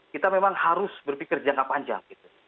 kita memang harus berpikir jangka panjang